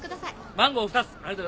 マンゴー２つありがとうございます